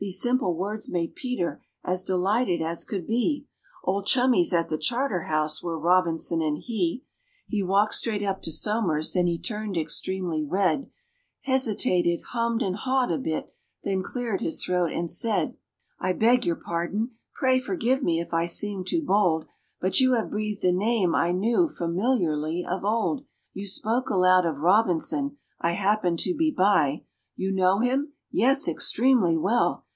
These simple words made PETER as delighted as could be, Old chummies at the Charterhouse were ROBINSON and he! He walked straight up to SOMERS, then he turned extremely red, Hesitated, hummed and hawed a bit, then cleared his throat, and said: "I beg your pardon pray forgive me if I seem too bold, But you have breathed a name I knew familiarly of old. You spoke aloud of ROBINSON I happened to be by. You know him?" "Yes, extremely well."